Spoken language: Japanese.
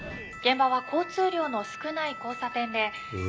現場は交通量の少ない交差点で。